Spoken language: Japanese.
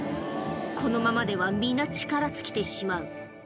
このままでは皆力尽きてしまう。